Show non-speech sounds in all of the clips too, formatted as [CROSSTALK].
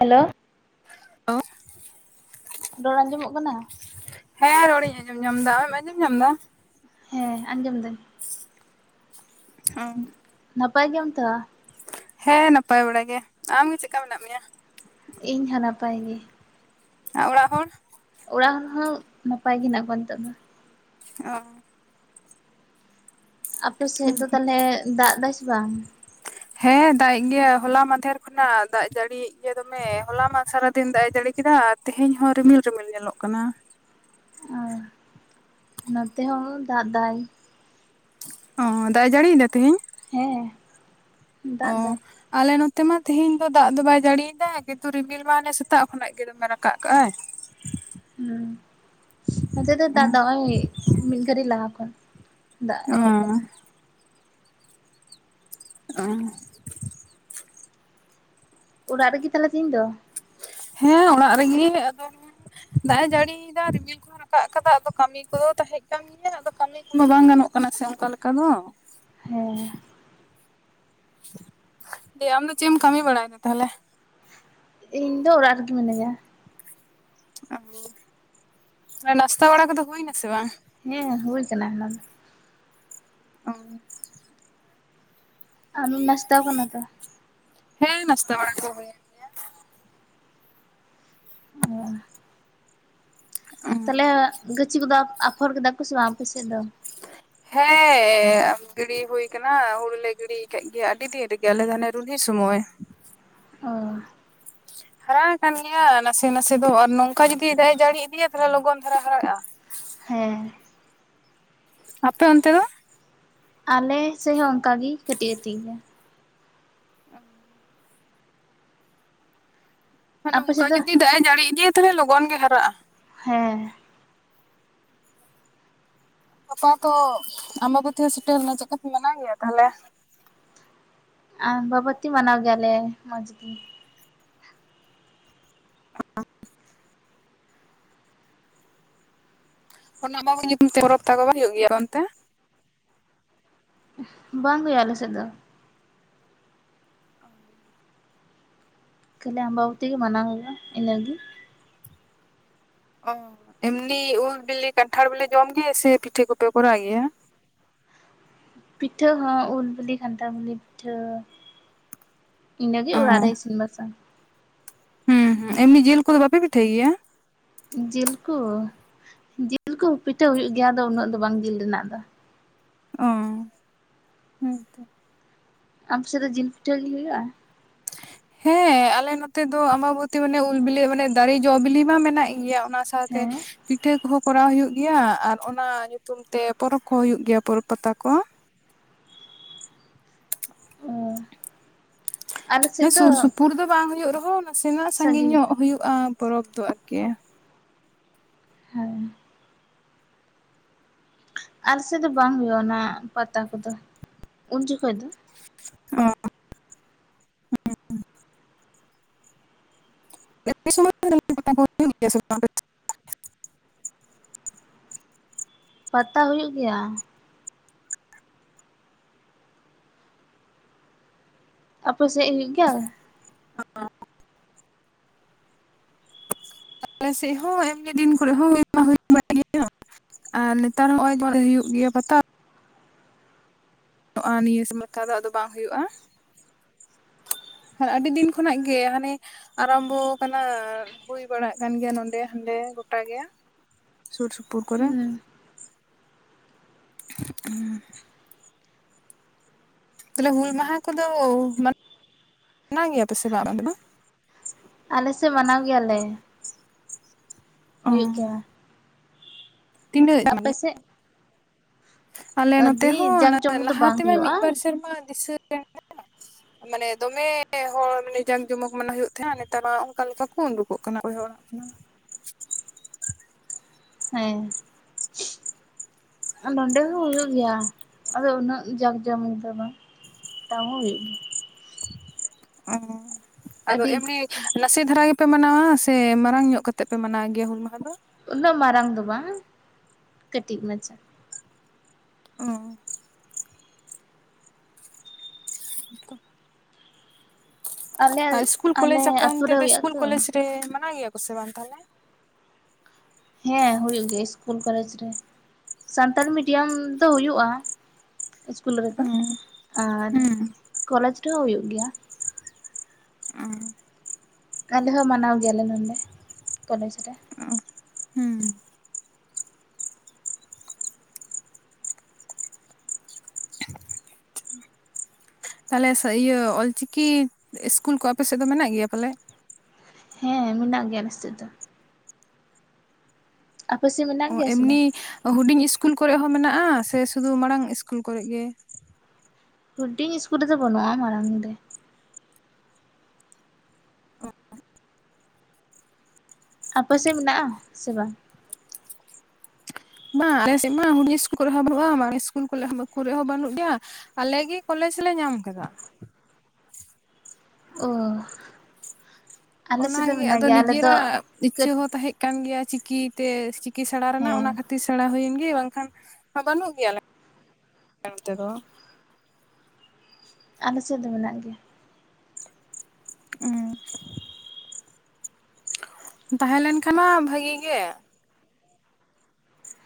Hello [INAUDIBLE] ᱨᱚᱲ ᱟᱸᱡᱚᱢᱚᱜ ᱠᱟᱱᱟ? ᱦᱮᱸ ᱨᱚᱲᱤᱧ ᱟᱸᱡᱚᱢ ᱧᱟᱢᱫᱟ᱾ ᱟᱢ ᱟᱸᱡᱚᱢ ᱧᱟᱢ ᱫᱟ? ᱦᱮᱸ ᱟᱸᱡᱚᱢ ᱮᱱᱟᱹᱧ ᱾ [INAUDIBLE] ᱱᱟᱯᱟᱭ ᱜᱮᱭᱟᱢ ᱛᱚ? ᱦᱮᱸ ᱱᱟᱯᱟᱭ ᱵᱟᱲᱟ ᱜᱮ, ᱟᱢ ᱜᱮ ᱪᱮᱜᱠᱟ ᱢᱮᱱᱟᱜ ᱢᱮᱭᱟ? ᱤᱧ ᱦᱚᱸ ᱱᱟᱯᱟᱭ ᱜᱮ᱾ ᱟ ᱚᱲᱟᱜ ᱦᱚᱲ? ᱚᱲᱟᱜ ᱦᱚᱲ ᱦᱚᱸ ᱱᱟᱯᱟᱭ ᱜᱮ ᱦᱮᱱᱟᱜ ᱠᱚᱣᱟ ᱱᱤᱛᱚᱜ ᱫᱚ᱾ ᱚᱸ ᱟᱯᱮ ᱥᱮᱫ ᱫᱚ ᱛᱟᱞᱦᱮ ᱫᱟᱜ ᱫᱟᱭ ᱥᱮ ᱵᱟᱝ? ᱦᱮᱸ ᱫᱟᱜ ᱮᱫ ᱜᱮᱭᱟ ᱦᱚᱞᱟ ᱢᱟᱫᱷᱮᱨ ᱠᱷᱚᱱᱟᱜ ᱫᱟᱜ ᱡᱟᱹᱲᱤᱭ ᱜᱮ ᱫᱚᱢᱮ ᱦᱚᱞᱟ ᱢᱟ ᱥᱟᱨᱟᱫᱤᱱ ᱫᱟᱜ ᱮ ᱡᱟᱹᱲᱤ ᱠᱮᱫᱟ ᱟᱨ ᱛᱮᱦᱮᱧ ᱦᱚᱸ ᱨᱤᱢᱤᱞ ᱨᱤᱢᱤᱞ ᱧᱮᱞᱚᱜ ᱠᱟᱱᱟ᱾ ᱚ ᱱᱚᱛᱮ ᱦᱚᱸ ᱫᱟᱜ ᱫᱟᱭ ᱚᱻ ᱫᱟᱜ ᱮ ᱡᱟᱹᱲᱤᱭᱮᱫᱟ ᱛᱮᱦᱮᱧ? ᱦᱮᱸ ᱚ ᱫᱟᱜ ᱫᱟᱭ ᱟᱞᱮ ᱱᱚᱛᱮ ᱢᱟ ᱛᱮᱦᱮᱧ ᱫᱚ ᱫᱟᱜ ᱫᱚ ᱟᱞᱮ ᱱᱚᱛᱮ ᱢᱟ ᱛᱮᱦᱮᱧ ᱫᱚ ᱫᱟᱜ ᱫᱚ ᱟᱞᱮ ᱱᱚᱛᱮ ᱢᱟ ᱛᱮᱦᱮᱧ ᱫᱚ ᱫᱟᱜ ᱫᱚ ᱵᱟᱭ ᱡᱟᱹᱲᱤᱭᱮᱫᱟ ᱠᱤᱱᱛᱩ ᱨᱤᱢᱤᱞ ᱢᱟ ᱦᱟᱱᱮ ᱥᱮᱛᱟᱜ ᱠᱷᱚᱱᱟᱜ ᱜᱮ ᱫᱚᱢᱮ ᱨᱟᱠᱟᱵ ᱠᱟᱜ ᱟᱭ᱾ ᱦᱩᱸ ᱱᱚᱛᱮ ᱫᱚ ᱫᱟᱜ ᱫᱟᱭ ᱦᱚᱸᱚᱭ ᱢᱤᱫ ᱜᱷᱟᱹᱲᱤ ᱞᱟᱦᱟ ᱠᱷᱚᱱ ᱫᱟᱜ ᱚ ᱮᱦᱚᱵ ᱠᱟᱱᱟ᱾ [INAUDIBLE] ᱚᱲᱟᱜ ᱨᱮᱜᱮ ᱛᱟᱦᱞᱮ ᱛᱮᱦᱮᱧ ᱫᱚ? ᱦᱮᱸ ᱚᱲᱟᱜ ᱨᱮᱜᱮ ᱟᱫᱚ ᱫᱟᱜ ᱮ ᱡᱟᱹᱲᱤᱭᱮᱫᱟ ᱨᱤᱢᱤᱞ ᱠᱚᱦᱚᱸ ᱨᱟᱠᱟᱵ ᱠᱟᱫᱟ ᱟᱫᱚ ᱠᱟᱹᱢᱤ [UNINTELLIGIBLE] ᱠᱚᱫᱚ ᱛᱟᱦᱮᱜ ᱠᱟᱱ ᱜᱮᱭᱟ ᱟᱫᱚ ᱠᱟᱹᱢᱤ ᱠᱚᱢᱟ ᱵᱟᱝ ᱜᱟᱱᱚᱜ ᱠᱟᱱᱟ ᱥᱮ ᱚᱱᱠᱟ ᱞᱮᱠᱟ ᱫᱚ᱾ ᱦᱮᱸ, ᱫᱤᱭᱮ ᱟᱢ ᱫᱚ ᱪᱮᱫ ᱮᱢ ᱠᱟᱹᱢᱤ ᱵᱟᱲᱟᱭᱮᱫᱟ ᱛᱟᱦᱚᱞᱮ ᱤᱧ ᱫᱚ ᱚᱲᱟᱜ ᱨᱮᱜᱮ ᱢᱤᱱᱟᱹᱧᱟ᱾ ᱱᱟᱥᱛᱟ ᱵᱟᱲᱟ ᱠᱚᱫᱚ ᱦᱩᱭ ᱱᱟᱥᱮ ᱵᱟᱝ? ᱦᱮᱸ ᱦᱩᱭ ᱠᱟᱱᱟ ᱚᱱᱟ ᱫᱚ᱾ ᱚ ᱟᱢ ᱱᱟᱥᱛᱟ ᱠᱟᱱᱟᱢ ᱛᱚ ᱦᱮᱸ ᱱᱟᱥᱛᱟ ᱵᱟᱲᱟ ᱠᱚ ᱦᱳᱭ ᱮᱱ᱾ ᱚ ᱛᱟᱦᱚᱞᱮ ᱜᱟᱹᱪᱷᱤ ᱠᱚᱫᱚ ᱟᱯᱷᱚᱨ ᱠᱮᱫᱟ ᱠᱚ ᱥᱮ ᱵᱟᱝ ᱟᱯᱮ ᱥᱮᱫ ᱫᱚ? ᱦᱮᱸ ᱜᱤᱲᱤ ᱦᱩᱭ ᱟᱠᱟᱱᱟ ᱦᱩᱲᱩ ᱞᱮ ᱜᱤᱲᱤ ᱟᱠᱟᱫ ᱜᱮᱭᱟ ᱟᱹᱰᱤ ᱫᱤᱱ ᱨᱮᱜᱮ ᱟᱞᱮ ᱫᱚ ᱦᱟᱱᱮ ᱨᱩᱱᱦᱤ ᱥᱚᱢᱚᱭ᱾ ᱚ ᱦᱟᱨᱟ ᱠᱟᱱ ᱜᱮᱭᱟ ᱱᱟᱥᱮ ᱱᱟᱥᱮ ᱫᱚ ᱟᱨ ᱱᱚᱝᱠᱟ ᱡᱩᱫᱤ ᱫᱟᱜ ᱮ ᱡᱟᱹᱲᱤ ᱤᱫᱤᱭᱟ ᱛᱟᱦᱚᱞᱮ ᱞᱚᱜᱚᱱ ᱫᱷᱟᱨᱟ ᱦᱟᱨᱟᱜ-ᱟ᱾ ᱦᱮᱸ᱾ ᱟᱯᱮ ᱚᱱᱛᱮ ᱫᱚ? ᱟᱞᱮ ᱥᱮᱫ ᱦᱚᱸ ᱚᱱᱠᱟ ᱜᱮ ᱠᱟᱹᱴᱤᱡ ᱠᱟᱹᱴᱤᱡ ᱜᱮᱭᱟ᱾ [UNINTELLIGIBLE] ᱦᱮᱸ ᱟᱯᱮ ᱱᱚᱝᱠᱟ ᱥᱮᱫ ᱫᱚ? ᱡᱩᱫᱤ ᱫᱟᱜ ᱮ ᱡᱟᱹᱲᱤ ᱤᱫᱤᱭᱟ ᱛᱟᱦᱚᱞᱮ ᱞᱚᱜᱚᱱ ᱜᱮ ᱦᱟᱨᱟᱜ-ᱟ᱾ ᱦᱮᱸ ᱜᱟᱯᱟ ᱛᱚ ᱟᱢᱟᱵᱳᱛᱤ ᱦᱚᱸ ᱥᱮᱴᱮᱨ ᱮᱱᱟ ᱪᱮᱠᱟᱯᱮ ᱢᱮ ᱢᱟᱱᱟᱣ ᱜᱮᱭᱟ ᱛᱟᱦᱚᱞᱮ ᱾ ᱟᱢᱵᱟᱵᱚᱛᱤ ᱢᱟᱱᱟᱣ ᱜᱮᱭᱟᱞᱮ ᱢᱚᱡᱽ ᱜᱮ ᱾ ᱚᱱᱟ ᱟᱢᱟᱵᱟᱵᱩᱛᱤ ᱧᱩᱛᱩᱢ ᱛᱮ ᱦᱚᱨᱚ ᱛᱟᱠᱚ ᱵᱟᱝ ᱦᱩᱭᱩᱜ ᱜᱮᱭᱟ ᱚᱱᱛᱮ ᱾ ᱵᱟᱝ ᱦᱩᱭᱩᱜᱼᱟ ᱟᱞᱮ ᱥᱮᱫ ᱫᱚ ᱾ ᱚ ᱸ᱾ ᱠᱷᱟᱞᱤ ᱟᱢᱵᱟᱵᱚᱛᱤ ᱜᱮ ᱢᱟᱱᱟᱣ ᱦᱩᱭᱩᱜ-ᱟ ᱤᱧᱱᱟᱜ ᱜᱮ ᱾ ᱚ ᱮᱢᱱᱤ ᱩᱞ ᱵᱤᱞᱤ ᱠᱟᱱᱴᱷᱟᱲ ᱵᱤᱞᱤ ᱡᱚᱢ ᱜᱮᱭᱟ ᱥᱮ ᱯᱤᱴᱷᱟᱹ ᱠᱚᱯᱮ ᱠᱚᱨᱟᱣ ᱜᱮᱭᱟ ᱾ ᱯᱤᱴᱷᱟᱹ ᱦᱚᱸ ᱩᱞ ᱵᱤᱞᱤ ᱠᱷᱟᱱᱛᱷᱟᱲ ᱵᱤᱞᱤ ᱯᱤᱴᱷᱟᱹ ᱾ ᱤᱱᱟᱹᱜᱮ ᱚ ᱚᱲᱟᱜ ᱨᱮ ᱤᱥᱤᱱ ᱵᱟᱥᱟᱝ ᱾ ᱦᱩᱸ ᱦᱩᱸ ᱮᱢᱱᱤ ᱡᱤᱞ ᱠᱚᱫᱚ ᱵᱟᱯᱮ ᱯᱤᱴᱷᱟᱹᱭ ᱜᱮᱭᱟ ᱾ ᱡᱤᱞᱠᱩ ᱡᱤᱞᱠᱩ ᱯᱤᱴᱷᱟᱹ ᱦᱩᱭᱩᱜ ᱜᱮᱭᱟ ᱟᱫᱚ ᱩᱱᱟᱹᱜ ᱫᱚ ᱵᱟᱝ ᱡᱤᱞ ᱨᱮᱱᱟᱜ ᱫᱚ ᱾ ᱚ ᱦᱮᱸ ᱛᱚ ᱾ ᱟᱢ ᱥᱮᱫ ᱫᱚ ᱡᱤᱞ ᱯᱤᱴᱷᱟᱹ ᱜᱮ ᱦᱩᱭᱩᱜᱼᱟ ᱾ ᱦᱮᱸ ᱟᱞᱮ ᱱᱚᱛᱮ ᱫᱚ ᱟᱢᱵᱟᱵᱚᱛᱤ ᱢᱟᱱᱮ ᱩᱞ ᱵᱤᱞᱤ ᱢᱟᱱᱮ ᱫᱟᱨᱮ ᱡᱚ ᱵᱤᱞᱤ ᱢᱟ ᱢᱮᱱᱟᱜ ᱜᱮᱭᱟ ᱾ ᱚᱱᱟ ᱥᱟᱶᱛᱮ ᱦᱮᱸ ᱯᱤᱴᱷᱟᱹ ᱠᱚᱦᱚᱸ ᱠᱚᱨᱟᱣ ᱦᱩᱭᱩᱜ ᱾ ᱜᱮᱭᱟ ᱟᱨ ᱚᱱᱟ ᱧᱩᱛᱩᱢ ᱛᱮ ᱯᱚᱨᱚᱵᱽ ᱠᱚ ᱦᱩᱭᱩᱜ ᱜᱮᱭᱟ ᱯᱚᱨᱚᱵᱽ ᱯᱟᱛᱟ ᱠᱚ ᱾ ᱚ ᱟᱞᱮ ᱢᱟᱱᱮ ᱥᱮᱫ ᱫᱚ ᱥᱩᱨ ᱥᱩᱯᱩᱨ ᱫᱚ ᱵᱟᱝ ᱦᱩᱭᱩᱜ ᱨᱮᱦᱚᱸ ᱱᱟᱥᱮᱱᱟᱜ ᱥᱟᱺᱜᱤᱧ ᱧᱚᱜ ᱦᱩᱭᱩᱜᱼᱟ ᱯᱚᱨᱚᱵᱽ ᱫᱚ ᱟᱨᱠᱤ ᱾ ᱨᱮ ᱦᱮᱸ ᱾ ᱟᱨ ᱥᱮᱫ ᱫᱚ ᱵᱟᱝ ᱦᱩᱭᱩᱜᱼᱟ ᱚᱱᱟ ᱯᱟᱛᱟ ᱠᱚᱫᱚ ᱩᱱ ᱡᱚᱠᱷᱚᱱ ᱫᱚ ᱾ ᱚ ᱦᱮᱸ ᱾ ᱩᱱ ᱥᱚᱢᱚᱭ ᱫᱚ ᱯᱟᱛᱟ ᱠᱚ ᱦᱩᱭᱩᱜ ᱜᱤᱭᱟ ᱥᱮ ᱵᱟᱝ ᱾ ᱯᱟᱛᱟ ᱦᱩᱭᱩᱜ ᱜᱮᱭᱟ ᱾ ᱟᱯᱮ ᱥᱮᱫ ᱦᱩᱭᱩᱜ ᱜᱮᱭᱟ ᱾ [UNINTELLIGIBLE] ᱟᱞᱮ ᱥᱮᱫ ᱦᱚᱸ ᱮᱢᱱᱤ ᱫᱤᱱ ᱠᱚᱨᱮ ᱦᱚᱸ ᱦᱩᱭ ᱢᱟ ᱦᱩᱭ ᱵᱟᱲᱟᱜ ᱜᱮᱭᱟ᱾ ᱟᱨ ᱱᱮᱛᱟᱨ ᱦᱚᱸ ᱱᱚᱜᱚᱭ ᱱᱚ ᱦᱩᱭᱩᱜ ᱜᱮᱭᱟ ᱯᱟᱛᱟ ᱾ ᱱᱚᱜ ᱱᱤᱭᱟᱹ ᱥᱚᱢᱚᱥᱠᱷᱟ ᱫᱚ ᱟᱫᱚ ᱵᱟᱝ ᱦᱩᱭᱩᱜᱼᱟ ᱾ ᱦᱮᱸ ᱟᱹᱰᱤ ᱫᱤᱱ ᱠᱷᱚᱱᱟᱜ ᱜᱮ ᱦᱟᱱᱮ ᱾ ᱟᱨᱟᱢᱵᱷᱚ ᱠᱟᱱᱟ ᱦᱩᱭ ᱵᱟᱲᱟᱜ ᱠᱟᱱ ᱜᱮᱭᱟ ᱱᱚᱰᱮ ᱦᱟᱸᱰᱮ ᱜᱚᱴᱟᱮ ᱾ ᱥᱩᱨ ᱥᱩᱯᱩᱨ ᱠᱚᱨᱮ ᱦᱩᱸ ᱾ ᱛᱟᱦᱚᱞᱮ ᱦᱩᱞ ᱢᱟᱦᱟ ᱠᱚᱫᱚ ᱢᱟᱱᱟᱣ ᱜᱮᱭᱟ ᱯᱮᱥᱮ ᱵᱟᱝ ᱟᱯᱮ ᱫᱚ ᱾ ᱟᱞᱮ ᱥᱮᱫ ᱢᱟᱱᱟᱣ ᱜᱮᱭᱟᱞᱮ ᱾ ᱦᱩᱭᱩᱜ ᱜᱮᱭᱟ ᱾ ᱛᱤᱱᱟᱜ ᱜᱟᱱᱜᱮ ᱾ ᱥᱮᱫ ᱟᱞᱮ ᱱᱚᱛᱮ ᱟᱹᱰᱤ ᱦᱚᱸ ᱡᱟᱠ ᱡᱚᱢᱚᱠ ᱫᱚ ᱵᱟᱝ ᱞᱟᱦᱟᱛᱮᱢᱟ ᱦᱩᱭᱩᱜᱼᱟ ᱢᱤᱫᱵᱟᱨ ᱥᱮᱨᱢᱟ ᱫᱤᱥᱟᱹᱱ ᱾ ᱢᱟᱱᱮ ᱫᱚᱢᱮ ᱦᱚᱲ ᱢᱟᱱᱮ ᱡᱟᱸᱠ ᱡᱚᱢᱚᱠ ᱢᱮ ᱦᱩᱭᱩᱜ ᱛᱟᱦᱮᱸᱜ ᱱᱮᱛᱟᱨ ᱢᱟ ᱚᱱᱠᱟ ᱞᱮᱠᱟ ᱠᱚ ᱠᱩᱰᱩ ᱾ ᱨᱯᱚᱜ ᱠᱟᱱᱟ ᱵᱚᱭᱦᱟ ᱚᱲᱟᱜ ᱠᱟᱱᱟ ᱾ [UNINTELLIGIBLE] ᱦᱮᱸ ᱾ ᱱᱚᱰᱮ ᱦᱚᱸ ᱦᱩᱭᱩᱜ ᱜᱮᱭᱟ ᱟᱫᱚ ᱩᱱᱟᱹᱜ ᱡᱟᱠ ᱡᱚᱢ ᱫᱚ ᱵᱟᱝ ᱮᱴᱟᱣ ᱦᱚᱸ ᱦᱩᱭᱩᱜ ᱜᱮᱭᱟ ᱾ ᱚᱻ ᱟᱫᱚ ᱟᱹᱰᱤ ᱮᱢᱱᱤ ᱾ ᱱᱟᱥᱮ ᱫᱷᱟᱨᱟ ᱜᱮᱯᱮ ᱢᱟᱱᱟᱣᱟ ᱥᱮ ᱢᱟᱨᱟᱝ ᱧᱚᱜ ᱠᱟᱛᱮ ᱯᱮ ᱢᱟᱱᱟᱣ ᱜᱮᱭᱟ ᱦᱩᱞ ᱢᱟᱦᱟ ᱫᱚ ᱾ ᱩᱱᱟᱹᱜ ᱢᱟᱨᱟᱝ ᱫᱚ ᱵᱟᱝ ᱠᱟᱹᱴᱤᱡ ᱢᱟᱪᱷᱟ ᱾ ᱚᱸᱻ ᱾ ᱚ ᱾ [INAUDIBLE] ᱟᱞᱮ ᱟᱨ ᱤᱥᱠᱩᱞ ᱟᱞᱮ ᱠᱚᱞᱮᱡ ᱟᱯᱮ ᱟᱛᱩ ᱚᱱᱛᱮ ᱨᱮ ᱫᱚ ᱦᱩᱭᱩᱜᱼᱟ ᱤᱥᱠᱩᱞ ᱛᱚ ᱠᱚᱞᱮᱡᱽ ᱨᱮ ᱢᱟᱱᱟ ᱜᱮᱭᱟ ᱠᱚ ᱥᱮ ᱵᱟᱝ ᱛᱟᱦᱚᱞᱮ ᱾ ᱦᱮᱸ ᱦᱩᱭᱩᱜ ᱜᱮᱭᱟ ᱥᱤᱥᱠᱩᱞ ᱠᱚᱞᱮᱡᱽ ᱨᱮ ᱥᱟᱱᱛᱟᱲᱤ ᱢᱤᱰᱤᱭᱟᱢ ᱫᱚ ᱦᱩᱭᱩᱜᱼᱟ ᱾ ᱤᱥᱠᱩᱞ ᱨᱮᱫᱚ ᱦᱩᱸ ᱟᱨ ᱠᱚᱞᱮᱡᱽ ᱨᱮᱦᱚᱸ ᱦᱩᱭᱩᱜ ᱜᱮᱭᱟ ᱾ ᱚᱸᱻ ᱾ ᱟᱞᱮ ᱦᱚᱸ ᱢᱟᱱᱟᱣ ᱜᱮᱭᱟᱞᱮ ᱱᱚᱰᱮ ᱠᱚᱞᱮᱡᱽ ᱨᱮ ᱾ ᱚ ᱦᱮᱸ ᱾ ᱛᱟᱦᱞᱮ ᱥᱟᱹ ᱤᱭᱟᱹ ᱚᱞᱪᱤᱠᱤ ᱤᱥᱠᱩᱞ ᱠᱚ ᱟᱯᱮ ᱥᱮᱫ ᱫᱚ ᱢᱮᱱᱟᱜ ᱜᱮᱭᱟ ᱯᱟᱞᱮ? ᱦᱮᱸ ᱢᱮᱱᱟᱜ ᱜᱮᱭᱟ ᱥᱮᱫ ᱫᱚ᱾ ᱟᱯᱮ ᱥᱤᱱ ᱚ ᱮᱢᱱᱤ ᱦᱩᱰᱤᱧ ᱤᱥᱠᱩᱞ ᱠᱚᱨᱮ ᱦᱚᱸ ᱢᱮᱱᱟᱜᱼᱟ, ᱥᱮ ᱥᱩᱫᱩ ᱢᱟᱲᱟᱝ ᱠᱩᱞ ᱠᱚᱨᱮ ᱜᱮ? ᱦᱩᱰᱤᱧ ᱤᱥᱠᱩᱞ ᱨᱮᱫᱚ ᱵᱟᱹᱱᱩᱜᱼᱟ ᱢᱟᱨᱟᱝ ᱨᱮ᱾ ᱟᱯᱮ ᱥᱮᱫ ᱢᱮᱱᱟᱜᱼᱟ ᱥᱮ ᱵᱟᱝ? ᱵᱟᱝ ᱟᱞᱮᱥᱮᱫ ᱢᱟ ᱦᱩᱰᱤ ᱤᱥᱠᱩᱞ ᱠᱚᱨᱮ ᱦᱚᱸᱚᱸ ᱵᱟᱹᱱᱩᱜᱼᱟ ᱢᱟᱨᱮ ᱥᱠᱩᱞ ᱠᱩᱨᱮ ᱠᱚᱨᱮ ᱦᱚᱸᱚᱸ ᱵᱟᱹᱱᱩᱜ ᱜᱮᱭᱟ᱾ ᱟᱞᱮ ᱜᱮ ᱠᱚᱞᱮᱡᱽ ᱞᱮ ᱧᱟᱢ ᱠᱟᱫᱟ᱾ ᱚᱸᱻ᱾ ᱚᱱᱟᱜᱮ ᱟᱫᱚ ᱱᱤᱡᱮᱨᱟᱜ ᱤᱪᱷᱟᱹ ᱠᱟᱹᱴ ᱦᱚᱸ ᱛᱟᱦᱮᱸ ᱠᱟᱱ ᱜᱮᱭᱟ ᱪᱤᱠᱤ ᱛᱮ ᱪᱤᱠᱤ ᱥᱮᱬᱟ ᱨᱮᱱᱟᱜ ᱦᱮᱸ ᱚᱱᱟ ᱠᱷᱟ ᱛᱤ ᱥᱮᱬᱟ ᱦᱩᱭᱮᱱ ᱜᱮ ᱵᱟᱝᱠᱷᱟᱱ ᱵᱟᱹᱱᱩᱜ ᱜᱮᱭᱟᱮ ᱟᱞᱮ ᱱᱚᱱ ᱛᱮ ᱫᱚ᱾ ᱟᱞᱮ ᱥᱮᱫ ᱫᱚ ᱢᱮᱱᱟᱜ ᱜᱮᱭᱟ᱾ ᱩᱸᱻ᱾ ᱛᱟᱦᱮᱸ ᱞᱮᱱᱠᱷᱟᱱ ᱢᱟ ᱵᱷᱟᱜᱤ ᱜᱮ ᱾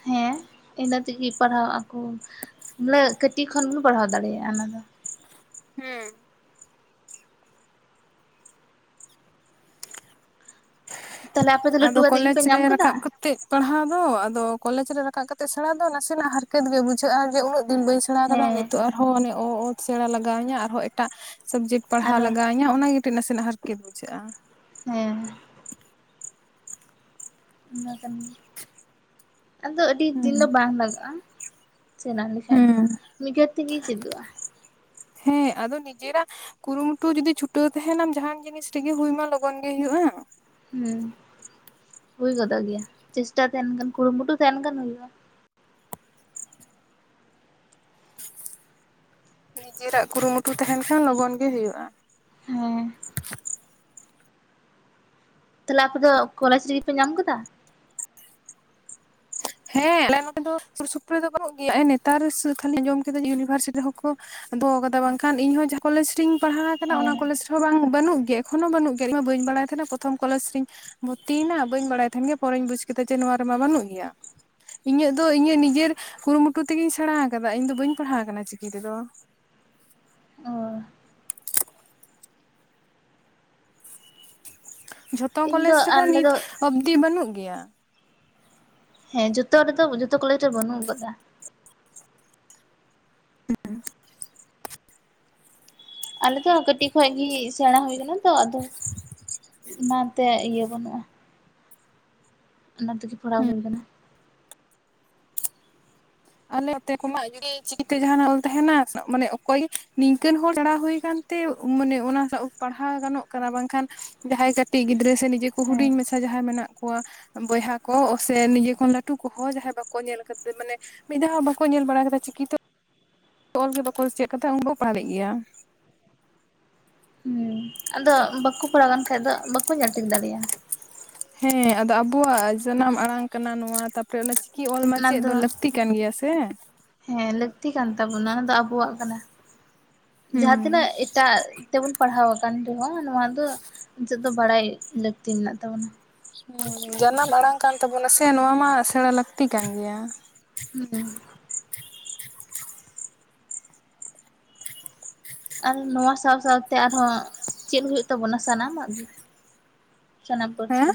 ᱦᱮᱸ ᱤᱱᱟᱹ ᱛᱮᱜᱤ ᱯᱟᱲᱦᱟᱜ ᱟᱠᱚ᱾ ᱵᱚᱞᱮ ᱠᱟᱹᱴᱤᱡ ᱠᱷᱚᱱ ᱵᱚᱱ ᱯᱟᱲᱦᱟᱣ ᱫᱟᱲᱮᱭᱟᱜᱼᱟ ᱚᱱᱟ ᱫᱚ᱾ ᱦᱩᱸ᱾ ᱛᱟᱦᱚᱞᱮ ᱟᱯᱮ ᱫᱚ ᱞᱟᱹᱴᱩ ᱟᱫᱚ ᱠᱟᱛᱮᱫ ᱠᱚᱞᱮᱡᱽ ᱜᱮᱯᱮ ᱨᱮ ᱧᱟᱢ ᱠᱟᱫᱟ ᱨᱟᱠᱟᱵ ᱠᱟᱛᱮᱜ ᱯᱟᱲᱦᱟᱣ ᱫᱚ, ᱟᱫᱚ ᱠᱚᱞᱮᱡᱽ ᱨᱮ ᱨᱟᱠᱟᱵ ᱠᱟᱛᱮ ᱥᱮᱬᱲᱟ ᱫᱚ ᱱᱟᱥᱮᱱᱟᱜ ᱦᱟᱨᱠᱮᱛ ᱜᱮ ᱵᱩᱡᱷᱟᱹᱜᱼᱟ᱾ ᱡᱮ ᱩᱹᱱᱟᱜ ᱫᱤᱱ ᱵᱟᱹᱧ ᱥᱮᱬᱟ ᱟᱠᱟᱫᱟ, ᱦᱮᱸ ᱱᱤᱛᱚᱜ ᱟᱨᱦᱚᱸ ᱢᱟᱱᱮ ᱚᱛ ᱥᱮᱬᱟ ᱞᱟᱜᱟᱣ ᱟᱹᱧᱟᱹ ᱟᱨᱦᱚᱸ ᱮᱴᱟᱜ ᱥᱟᱵᱡᱮᱠᱴ ᱯᱟᱲᱦᱟᱣ ᱟᱨᱚ ᱞᱟᱜᱟᱣᱟ. ᱧᱟ. ᱤᱧᱟᱜ ᱚᱱᱟ ᱠᱟᱹᱴᱤᱡ ᱱᱟᱥᱮᱱᱟᱜ ᱦᱟᱨᱠᱮᱛ ᱵᱩᱡᱷᱟᱹᱜᱼᱟ᱾ ᱦᱮᱸ ᱦᱮᱸ ᱾ ᱚᱱᱟ ᱠᱟᱱ ᱜᱮ, ᱟᱫᱚ ᱟᱹᱰᱤ ᱫᱤᱱ ᱫᱚ ᱦᱩᱸ ᱵᱟᱝ ᱞᱟᱜᱟᱜᱼᱟ᱾ ᱪᱮᱱᱟ ᱞᱮᱠᱷᱟᱱ ᱫᱚ, ᱦᱩᱸ ᱜᱟᱹᱲᱤᱡ ᱛᱮᱜᱮ ᱪᱮᱫᱚᱜᱼᱟ᱾ ᱦᱮᱸ ᱟᱫᱚ ᱱᱤᱡᱮᱨᱟᱜ ᱠᱩᱨᱩᱢᱩᱴᱩ ᱡᱩᱫᱤ ᱪᱷᱩᱴᱟᱹᱣ ᱛᱟᱦᱮᱱᱟᱢ ᱡᱟᱦᱟᱱ ᱡᱤᱱᱤᱥ ᱨᱮᱜᱮ ᱦᱳᱭᱢᱟ ᱞᱚᱜᱚᱱ ᱜᱮ ᱦᱳᱭᱳᱜᱼᱟ᱾ ᱦᱩᱸ ᱦᱩᱭ ᱜᱚᱫᱚᱜ ᱜᱮᱭᱟ, ᱪᱮᱥᱴᱟ ᱛᱟᱦᱮᱱ ᱠᱷ ᱠᱩᱨᱩᱢᱩᱴᱩ ᱛᱟᱦᱮᱱ ᱠᱷᱱ ᱦᱩᱭᱩᱜᱼᱟ᱾ ᱱᱤᱡᱮᱨᱟᱜ ᱠᱩᱨᱩᱢᱩᱴᱩ ᱛᱟᱦᱮᱱ ᱠᱷᱟᱱ ᱞᱚᱜᱚᱱ ᱜᱮ ᱦᱩᱭᱩᱜᱼᱟ᱾ ᱦᱮᱸ ᱾ ᱛᱟᱦᱚᱞᱮ ᱟᱯᱮ ᱫᱚ ᱠᱚᱞᱡᱽ ᱨᱮᱜᱮ ᱯᱮ ᱧᱟᱢ ᱠᱟᱫᱟ? ᱦᱮᱸ ᱟᱞᱮ ᱱᱚᱸᱰᱮ ᱫᱚ ᱥᱩᱨ ᱥᱩᱯᱩᱨ ᱨᱮ ᱫᱚ ᱵᱟᱹᱱᱩᱜ ᱜᱮᱭᱟ, ᱱᱮᱛᱟᱨ ᱥᱩᱨ ᱠᱷᱚᱱᱤᱧ ᱟᱸᱡᱚᱢ ᱠᱮᱫᱟ ᱤᱭᱩᱱᱤᱵᱷᱟᱨᱥᱤᱴᱤ ᱨᱮᱦᱚᱸ ᱠᱚ ᱫᱚᱦᱚ ᱟᱠᱟᱫᱟ, ᱵᱟᱝᱠᱷᱟᱱ ᱤᱧᱦᱚᱸ ᱡᱟᱦᱟᱸ ᱠᱚᱞᱮᱮᱡ ᱨᱤᱧ ᱯᱟᱲᱦᱟᱣ ᱟᱠᱟᱱᱟ ᱦᱮᱸ ᱚᱱᱟ ᱠᱚᱞᱮᱡᱽ ᱨᱮ ᱵᱟᱝ ᱵᱟᱹᱱᱩᱜ ᱜᱮᱭᱟ ᱮᱠᱷᱚᱱ ᱦᱚᱸ ᱵᱟᱹᱱᱩᱜ ᱜᱮᱭᱟ, ᱤᱧᱢᱟ ᱵᱟᱹᱧ ᱵᱟᱲᱟᱭ ᱛᱟᱦᱮᱱᱟ ᱯᱨᱚᱛᱷᱚᱢ ᱠᱚᱞᱮᱡᱽ ᱨᱮᱧ ᱵᱷᱚᱨᱛᱤᱭᱮᱱᱟ ᱵᱟᱹᱧ ᱵᱟᱲᱟᱭ ᱛᱟᱦᱮᱸᱱ ᱜᱮᱭᱟ ᱯᱚᱨᱮᱧ ᱵᱩᱡ ᱠᱮᱫᱟ ᱡᱮ ᱱᱚᱣᱟ ᱨᱮᱢᱟ ᱵᱟᱹᱱᱩᱜ ᱜᱮᱭᱟ᱾ ᱤᱧᱟᱹᱜ ᱫᱚ ᱤᱧᱟᱹᱜ ᱱᱤᱡᱮᱨ ᱠᱩᱨᱩᱢᱩᱴᱩ ᱛᱮᱜᱤᱧ ᱥᱮᱬᱟ ᱟᱠᱟᱫᱟ, ᱤᱧ ᱫᱚ ᱵᱟᱹᱧ ᱯᱟᱲᱦᱟᱣ ᱟᱠᱟᱱᱟ ᱪᱤᱠᱤ ᱛᱮᱫᱚ᱾ ᱚ ᱡᱷᱚᱛᱚ ᱤᱧ ᱠᱚᱞᱮᱡᱽ ᱫᱚ ᱨᱮᱦᱚᱸ ᱟᱞᱮ ᱱᱤᱛ ᱫᱚ ᱚᱵᱽᱫᱤ ᱵᱟᱹᱱᱩᱜ ᱜᱮᱭᱟ᱾ ᱦᱮᱸ ᱡᱷᱚᱛᱚ ᱨᱮᱫᱚ ᱡᱷᱚᱛᱚ ᱠᱚᱞᱮᱡᱽ ᱨᱮ ᱵᱟᱹᱱᱩᱜ ᱠᱟᱫᱟ᱾ [INAUDIBLE] ᱟᱞᱮ ᱫᱚ ᱠᱟᱹᱴᱤᱡ ᱠᱷᱚᱱᱚᱡ ᱜᱮ ᱥᱮᱬᱟ ᱦᱩᱭ ᱟᱠᱟᱱᱟ ᱛᱚ, ᱟᱫᱚ ᱚᱱᱟᱛᱮ ᱤᱭᱟᱹ ᱵᱟᱹᱱᱩᱜᱼᱟ᱾ ᱚᱱᱟ ᱛᱮᱜᱮ ᱯᱟᱲᱦᱟᱣ ᱦᱩᱭ ᱠᱟᱱᱟ᱾ ᱟᱞᱮ ᱚᱛᱮ ᱠᱚᱢᱟ ᱡᱩᱫᱤ ᱪᱤᱠᱤ ᱛᱮ ᱡᱟᱸᱦᱱᱟᱜ ᱚᱞ ᱛᱟᱦᱮᱱᱟ ᱢᱟᱱᱮ ᱚᱠᱚᱭ ᱱᱤᱝᱠᱟᱹᱱ ᱦᱚᱲ ᱥᱮᱬᱟ ᱦᱩᱭ ᱠᱟᱱ ᱛᱮ ᱢᱟᱱᱮ ᱚᱱᱟ ᱥᱟ ᱯᱟᱲᱦᱟᱣ ᱜᱟᱱᱚᱜ ᱠᱟᱱᱟ, ᱵᱟᱝᱠᱷᱟᱱ ᱡᱟᱦᱟᱸᱭ ᱠᱟᱹᱴᱤᱡ ᱜᱤᱫᱽᱨᱟᱹ ᱥᱮ ᱱᱤᱡᱮ ᱠᱚ ᱦᱮᱸ ᱦᱩᱰᱤᱧ ᱢᱟᱪᱷᱟ ᱡᱟᱦᱟᱸᱭ ᱠᱚ ᱢᱮᱱᱟᱜ ᱠᱚᱣᱟ ᱵᱚᱭᱦᱟ ᱠᱚ ᱥᱮ ᱱᱤᱡᱮ ᱠᱷᱚᱱ ᱞᱟᱹᱴᱩ ᱠᱚᱦᱚᱸ ᱡᱟᱦᱟᱸᱭ ᱵᱟᱠᱚ ᱧᱮᱞ ᱠᱟᱛᱮ ᱢᱟᱱᱮ ᱢᱤᱫ ᱫᱷᱟᱣ ᱦᱚᱸ ᱵᱟᱠᱚ ᱧᱮᱞ ᱵᱟᱲᱟ ᱠᱟᱫᱟ ᱪᱤᱠᱤ ᱛᱮ ᱚᱞ ᱜᱮ ᱵᱟᱠᱚ ᱠᱩᱥᱤᱭᱟᱜ ᱠᱟᱱ ᱛᱟᱦᱮ ᱩᱱ ᱫᱚᱠᱚ [INAUDIBLE] ᱜᱮᱭᱟ᱾ ᱦᱩᱸ ᱟᱫᱚ ᱵᱟᱠᱚ ᱯᱟᱲᱟᱣ ᱞᱮᱱ ᱠᱷᱟᱱᱡ ᱫᱚ ᱵᱟᱠᱚ ᱧᱮᱞ ᱴᱷᱤᱠ ᱫᱟᱲᱮᱭᱟᱜᱼᱟ᱾ ᱦᱮᱸ ᱟᱫᱚ ᱟᱵᱚᱣᱟᱜ ᱡᱟᱱᱟᱢ ᱟᱲᱟᱝ ᱠᱟᱱᱟ ᱱᱚᱣᱟ ᱛᱟᱯ ᱨᱮ ᱚᱱᱮ ᱪᱤᱠᱤ ᱚᱞ ᱢᱟ ᱪᱮᱫ ᱫᱚ ᱞᱟᱹᱠᱛᱤ ᱠᱟᱱ ᱜᱮᱭᱟ ᱥᱮ? ᱦᱮᱸ ᱞᱟᱹᱠᱛᱤ ᱠᱟᱱ ᱛᱟᱵᱚᱱᱟ ᱚᱱᱟ ᱫᱚ ᱟᱵᱚᱣᱟᱜ ᱠᱟᱱᱟ᱾ ᱡᱟᱦᱟᱸ ᱦᱩᱸ ᱛᱤᱱᱟᱹᱜ ᱮᱴᱟᱜ ᱛᱮᱵᱚᱱ ᱯᱟᱲᱦᱟᱣ ᱟᱠᱟᱱ ᱨᱮᱦᱚᱸ ᱱᱚᱣᱟ ᱫᱚ ᱫᱚ ᱵᱟᱲᱟᱭ ᱞᱟᱹᱠᱛᱤ ᱢᱮᱱᱟᱜ ᱛᱟᱵᱚᱱᱟ ᱾ ᱡᱟᱱᱟᱢ ᱟᱲᱟᱝ ᱠᱟᱱ ᱛᱟᱵᱚᱱᱟ ᱥᱮ ᱱᱚᱣᱟ ᱢᱟ ᱥᱮᱬᱟ ᱞᱟᱹᱠᱛᱤ ᱠᱟᱱ ᱜᱮᱭᱟ ᱾ ᱦᱮᱸ ᱟᱨ ᱱᱚᱣᱟ ᱥᱟᱶ ᱥᱟᱶᱛᱮ ᱟᱨᱦᱚᱸ ᱪᱮᱫ ᱦᱳᱭᱩᱜ ᱛᱟᱵᱚᱱᱟ ᱥᱟᱱᱟᱢᱟᱜ ᱜᱮ? ᱥᱟᱱᱟᱢ ᱯᱟᱨᱥᱤ ᱦᱮᱸ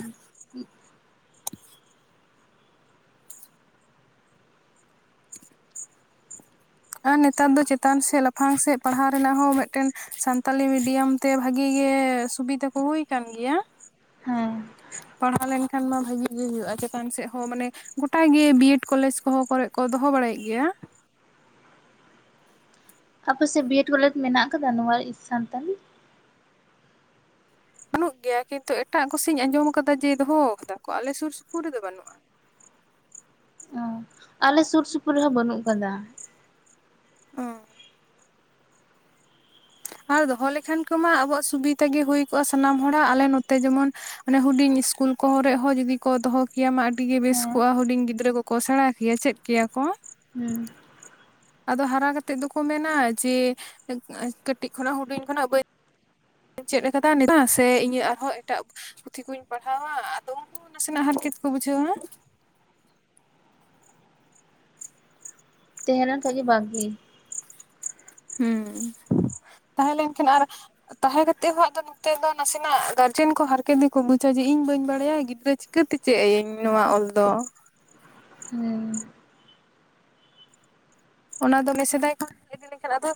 ᱟᱨ ᱱᱮᱛᱟᱨ ᱫᱚ ᱪᱮᱛᱟᱱ ᱥᱮᱫ ᱞᱟᱯᱷᱟᱝ ᱥᱮᱫ ᱯᱟᱲᱦᱟᱣ ᱨᱮᱱᱟᱜ ᱦᱚᱸ ᱢᱤᱫᱴᱮᱱ ᱥᱟᱱᱛᱟᱞᱤ ᱢᱤᱰᱤᱭᱟᱢ ᱛᱮ ᱵᱷᱟᱜᱤ ᱜᱮ ᱥᱩᱵᱤᱫᱟ ᱠᱚ ᱦᱩᱭ ᱟᱠ ᱜᱮᱭᱟ, ᱦᱮᱸ ᱯᱟᱲᱦᱟᱣ ᱞᱮᱱ ᱠᱷᱟᱱ ᱢᱟ ᱵᱷᱟᱜᱤ ᱜᱮ ᱦᱩᱭᱩᱜᱼᱟ ᱪᱮᱛᱟᱱ ᱥᱮᱫ ᱦᱚᱸ ᱢᱟᱱᱮ ᱜᱚᱴᱟ ᱜᱮ ᱵᱤ ᱮᱰ ᱠᱚᱞᱮᱡᱽ ᱠᱚ ᱦᱚᱸ ᱠᱚᱨᱮᱫ ᱠᱚ ᱫᱚᱦᱚ ᱵᱟᱲᱟᱭᱮᱫ ᱜᱮᱭᱟ ᱾ ᱟᱯᱮᱥᱮᱫ ᱵᱤᱮᱰ ᱠᱚᱞᱮᱡᱽ ᱢᱮᱱᱟᱜ ᱟᱠᱟᱫᱟ ᱱᱚᱣᱟ ᱥᱟᱱᱛᱟᱞᱤ? ᱵᱟᱹᱱᱩᱜ ᱜᱮᱭᱟ ᱠᱤᱱᱛᱩ ᱮᱴᱟᱜ ᱠᱚᱥᱤᱧ ᱟᱸᱡᱚᱢ ᱟᱠᱟᱫᱟ ᱡᱮ ᱫᱚᱦᱚ ᱟᱠᱟᱫᱟ ᱠᱚ ᱟᱞᱮ ᱥᱩᱨ ᱥᱩᱯᱩᱨ ᱨᱮᱫᱚ ᱵᱟᱹᱱᱩᱜᱼᱟ ᱾ ᱚ ᱟᱞᱮ ᱥᱩᱨ ᱥᱩᱯᱩᱨ ᱨᱮᱦᱚᱸ ᱵᱟᱹᱱᱩᱜ ᱟᱠᱟᱫᱟ ᱾ ᱚ ᱟᱨ ᱫᱚᱦᱚ ᱞᱮᱠᱷᱟᱱ ᱠᱚᱢᱟ ᱟᱵᱚᱣᱟᱜ ᱥᱩᱵᱤᱫᱟ ᱜᱮ ᱦᱩᱭ ᱠᱚᱜᱼᱟ ᱥᱟᱱᱟᱢ ᱦᱚᱲᱟᱜ ᱟᱞᱮ ᱱᱚᱛᱮ ᱡᱮᱢᱚᱱ ᱢᱟᱱᱮ ᱦᱩᱰᱤᱧ ᱤᱥᱠᱩᱞ ᱠᱚᱨᱮ ᱦᱚᱸ ᱡᱩᱫᱤ ᱠᱚ ᱫᱚᱦᱚ ᱠᱮᱭᱟ ᱟᱹᱰᱤ ᱜᱮ ᱵᱮᱥ ᱦᱮᱸ ᱠᱚᱜᱼᱟ ᱦᱩᱰᱤᱧ ᱜᱤᱫᱽᱨᱟᱹ ᱠᱚᱠᱚ ᱥᱮᱬᱟ ᱠᱮᱭᱟ, ᱪᱮᱫ ᱠᱮᱭᱟ ᱠᱚ᱾ ᱦᱮᱸ ᱟᱫᱚ ᱦᱟᱨᱟ ᱠᱟᱛᱮᱜ ᱫᱚᱠᱚ ᱢᱮᱱᱟ ᱡᱮ ᱠᱟᱹᱴᱤᱡ ᱠᱷᱚᱱᱟᱜ ᱦᱩᱰᱤᱧ ᱠᱷᱚᱱᱟᱜ ᱵᱟᱹᱧ ᱪᱮᱫ ᱞᱮᱠᱟᱫᱟ ᱱᱤᱛᱚᱜ ᱥᱮ ᱤᱧᱟᱹᱜ ᱟᱨᱦᱚᱸ ᱮᱴᱟᱜ ᱯᱩᱛᱷᱤ ᱠᱩᱧ ᱯᱟᱲᱦᱟᱣᱟ ᱟᱫᱚ ᱩᱱᱠᱩ ᱱᱟᱥᱮᱱᱟᱜ ᱦᱟᱨᱠᱮᱛ ᱠᱚ ᱵᱩᱡᱷᱟᱹᱣᱟ᱾ ᱛᱟᱦᱮᱸ ᱞᱮᱱᱠᱷᱟ ᱜᱮ ᱵᱷᱟᱜᱤ᱾ ᱦᱮᱸ ᱛᱟᱦᱮᱸ ᱞᱮᱱᱠᱷᱟᱱ ᱟᱨ ᱛᱟᱦᱮᱸ ᱠᱟᱛᱮ ᱦᱚᱸ ᱟᱫᱚ ᱱᱤᱛᱟᱜ ᱫᱚ ᱱᱟᱥᱮᱱᱟᱜ ᱜᱟᱨᱡᱮᱱ ᱠᱚ ᱦᱟᱨᱠᱮᱛ ᱛᱮᱠᱚ ᱵᱩᱡᱟ ᱡᱮ ᱤᱧ ᱵᱟᱹᱧ ᱵᱟᱲᱟᱭᱟ ᱜᱤᱫᱽᱨᱟᱹ ᱪᱤᱠᱟᱹᱛᱮ ᱪᱮᱫ ᱟᱹᱭᱟᱹᱧ ᱱᱚᱣᱟ ᱚᱞ ᱫᱚ᱾ ᱦᱩᱸ ᱚᱱᱟ ᱫᱚ ᱥᱮᱫᱟᱭ ᱠᱷᱚᱱ ᱤᱫᱤ ᱞᱮᱱᱠᱷᱟᱱ ᱟᱫᱚ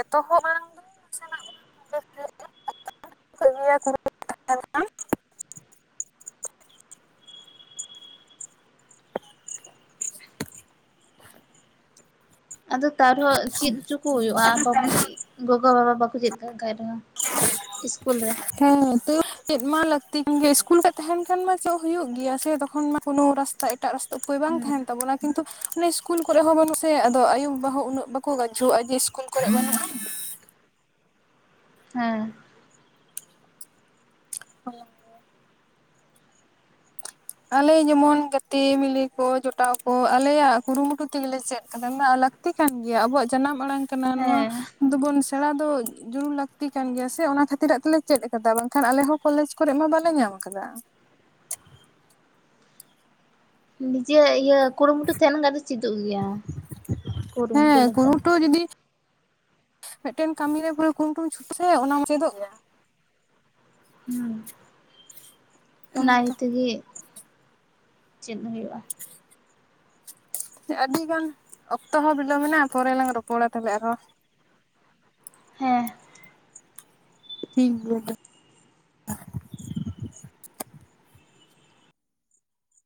ᱮᱛᱚᱦᱚᱵ ᱢᱟᱲᱟᱝ ᱫᱚ ᱱᱟᱥᱮᱱᱟᱜ ᱚᱱᱟ [UNINTELLIGIBLE] [UNINTELLIGIBLE] ᱟᱫᱚ ᱛᱟᱨ ᱨᱮᱦᱚᱸ ᱪᱮᱫ ᱩᱪᱚ ᱠᱚ ᱦᱩᱭᱩᱜᱼᱟ, ᱵᱟᱵᱚᱱ ᱪᱮᱫ ᱜᱚᱜᱚ ᱵᱟᱵᱟ ᱵᱟᱠᱚ ᱪᱮᱫ ᱠᱟᱜ ᱠᱷᱟᱡ ᱨᱮᱦᱚᱸ ᱾ ᱤᱥᱠᱩᱞ ᱨᱮ᱾ ᱦᱮᱸ ᱛᱚ ᱪᱮᱫ ᱢᱟ ᱞᱟᱹᱠᱛᱤ ᱜᱮ ᱥᱤᱥᱠᱩᱞ ᱨᱮ ᱛᱟᱦᱮᱱ ᱠᱷᱟᱱ ᱢᱟ ᱪᱮᱫ ᱦᱩᱭᱩᱜ ᱜᱮᱭᱟ ᱥᱮ ᱛᱚᱠᱷᱚᱱ ᱢᱟ ᱠᱚᱱᱳ ᱨᱟᱥ ᱛᱟ ᱮᱴᱟᱜ ᱨᱟᱥᱛᱟ ᱩᱯᱟᱹᱭ ᱵᱟᱝ ᱦᱩᱸ ᱛᱟᱦᱮᱱ ᱛᱟᱵᱚᱱᱟ ᱠᱤᱱᱛᱩ ᱤᱥᱠᱩᱞ ᱠᱚᱨᱮᱜ ᱦᱚᱸ ᱥᱮ ᱟᱫᱚ ᱟᱭᱩ ᱵᱟᱵᱟ ᱦᱚᱸ ᱩᱱᱟᱹᱜ ᱵᱟ ᱠᱩ ᱜᱟᱹᱪᱷᱩᱜ ᱟᱹᱰᱤ ᱤᱥᱠᱩᱞ ᱠᱚᱨᱮ ᱵᱟᱹᱱᱩᱜᱼᱟ ᱦᱮᱸ ᱦᱚᱸ ᱟᱞᱮ ᱡᱮᱢᱚᱱ ᱜᱟᱛᱮ ᱢᱤᱞᱮ ᱠᱚ ᱡᱚᱴᱟᱣ ᱠᱚ ᱟᱞᱮᱭᱟᱜ ᱠᱩᱨᱩᱢᱩᱴᱩ ᱛᱮᱜᱮᱞᱮ ᱪᱮᱫ ᱠᱟᱫᱟ ᱟᱞᱮ ᱞᱟᱹᱠᱛᱤ ᱠᱟᱱ ᱜᱮᱭᱟ ᱟᱵᱚᱣᱟᱜ ᱡᱟᱱᱟᱢ ᱟᱲᱟᱝ ᱠᱟᱱᱟ ᱱᱚᱣᱟ ᱦᱮᱸ ᱫᱚᱵᱚᱱ ᱥᱮᱬᱟ ᱫᱚ ᱡᱚᱨᱩᱨ ᱞᱟᱹᱠᱛᱤ ᱠᱟᱱ ᱜᱮᱭᱟ ᱥᱮ ᱚᱱᱟ ᱠᱷᱟᱹᱛᱤᱨ ᱛᱮᱞᱮ ᱪᱮᱫ ᱠᱟᱫᱟ ᱵᱟᱝᱠᱷᱟᱱ ᱟᱞᱮ ᱦᱚᱸ ᱠᱚᱞᱮᱡᱽ ᱠᱚᱨᱮᱜ ᱢᱟ ᱵᱟᱞᱮ ᱧᱟᱢ ᱠᱟᱫᱟ ᱱᱤᱡᱮ ᱤᱭᱟᱹ ᱠᱩᱨᱩᱢᱩᱴᱩ ᱛᱟᱦᱮᱸᱱ ᱠᱷᱟᱱ ᱫᱚ ᱪᱮᱫᱚᱜ ᱜᱮᱭᱟ ᱾ ᱠᱩᱨᱩᱢᱩᱴᱩ ᱦᱮᱸ ᱞᱮᱠᱷᱟᱱ ᱠᱩᱨᱩᱢᱩᱴᱩ ᱡᱩᱫᱤ ᱢᱤᱫᱴᱮᱱ ᱠᱟᱹᱢᱤᱨᱮ ᱯᱩᱨᱟᱹ ᱠᱩᱱᱴᱩᱢ ᱪᱷᱩᱴᱟᱹ ᱟᱥᱮ ᱚᱱᱟᱢᱟ ᱪᱮᱫᱚᱜ ᱜᱮᱭᱟ ᱦᱩᱸ ᱚᱱᱟ ᱦᱮᱸ ᱤᱭᱟᱹ ᱛᱚ ᱛᱮᱜᱮ ᱪᱮᱫ ᱦᱩᱭᱩᱜᱼᱟ [INAUDIBLE] ᱟᱹᱰᱤᱜᱟᱱ ᱚᱠᱛᱚ ᱦᱚᱸ ᱵᱤᱞᱚᱢ ᱱᱟ ᱯᱚᱨᱮ ᱞᱟᱝ ᱨᱚᱯᱚᱲᱟ ᱛᱚᱵᱮ ᱟᱨᱦᱚᱸ ᱦᱮᱸ ᱴᱷᱤᱠ ᱜᱮᱭᱟ